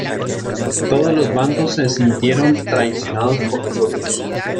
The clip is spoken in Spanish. Todos los bandos se sintieron traicionados por los otros.